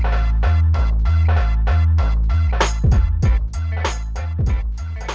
malah kalau sudah monyet terus udah gejek